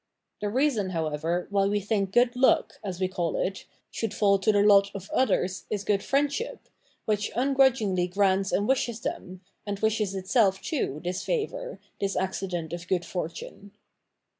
The reason, however, why we think good luck, as we call it, should fall to the lot of others is good friendship, which un grudgingly grants and wishes them, and wishes itself too, this favour, this accident of good fortune.